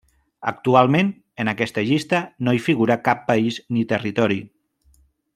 Actualment en aquesta llista no hi figura cap país ni territori.